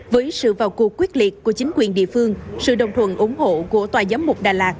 với sự vào cuộc quyết liệt của chính quyền địa phương sự đồng thuận ủng hộ của tòa giám mục đà lạt